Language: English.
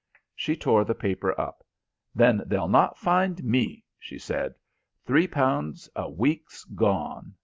She tore the paper up. "Then they'll not find me," she said. "Three pounds a week's gone.